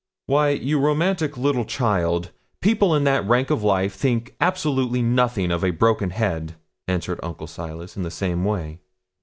'Why, you romantic little child, people in that rank of life think absolutely nothing of a broken head,' answered Uncle Silas, in the same way.